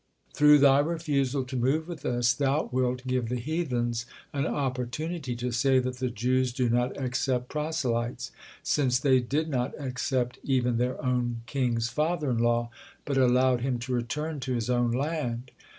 Through thy refusal to move with us, thou wilt give the heathens an opportunity to say that the Jews do not accept proselytes, since they did not accept even their own king's father in law, but allowed him to return to his own land.